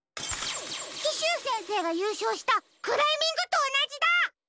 キシュウせんせいがゆうしょうしたクライミングとおなじだ！